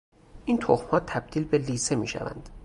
این تخمها تبدیل به لیسه میشوند.